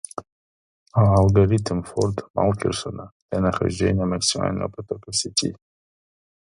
А алгоритм Форда-Фалкерсона для нахождения максимального потока в сети.